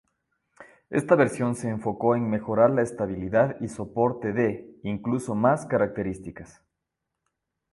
Esta versión se enfocó en mejorar la estabilidad y soporte de, incluso más, características.